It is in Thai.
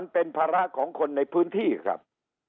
เป็นภาระของคนในพื้นที่ครับ